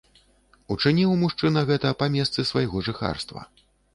Учыніў мужчына гэта па месцы свайго жыхарства.